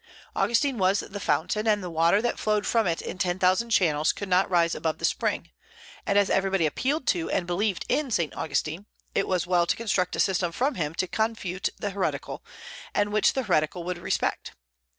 Augustine was the fountain, and the water that flowed from it in ten thousand channels could not rise above the spring; and as everybody appealed to and believed in Saint Augustine, it was well to construct a system from him to confute the heretical, and which the heretical would respect.